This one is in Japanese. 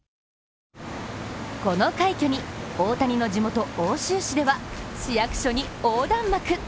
この快挙に、大谷の地元・奥州市では市役所に横断幕！